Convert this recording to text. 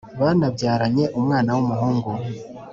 banabyaranye umwana w’umuhungu